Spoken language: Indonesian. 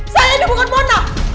saya ini bukan mona